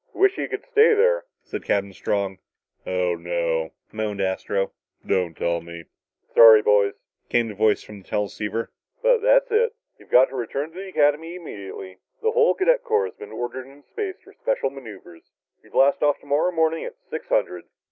"Wish you could stay there," said Captain Strong. "Oh, no!" moaned Astro. "Don't tell me!" "Sorry, boys," came the voice from the teleceiver. "But that's it. You've got to return to the Academy immediately. The whole cadet corps has been ordered into space for special maneuvers. We blast off tomorrow morning at six hundred."